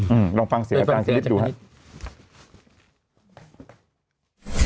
อืมลองฟังเสียจักรณิชย์ดูครับ